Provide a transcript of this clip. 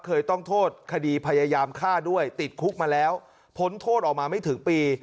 เคยต้องโทษคดีพยายามฆ่าด้วยติดคุกมาแล้วพ้นโทษออกมาไม่ถึงปี